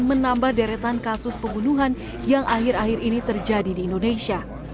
menambah deretan kasus pembunuhan yang akhir akhir ini terjadi di indonesia